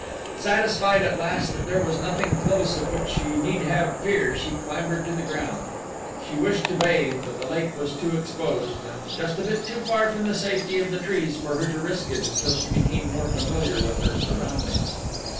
Satisfied at last that there was nothing close of which she need have fear she clambered to the ground. She wished to bathe but the lake was too exposed and just a bit too far from the safety of the trees for her to risk it until she became more familiar with her surroundings.